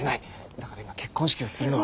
だから今結婚式をするのは。